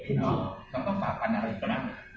ต้องฝากกันอะไรก็ได้